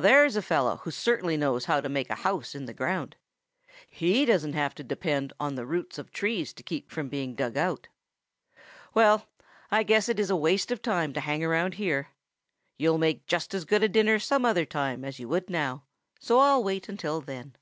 There's a fellow who certainly knows how to make a house in the ground. He doesn't have to depend on the roots of trees to keep from being dug out. Well, I guess it is a waste of time to hang around here. You'll make just as good a dinner some other time as you would now, so I'll wait until then."